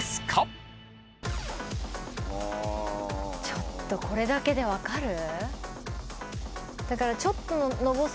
ちょっとこれだけで分かる？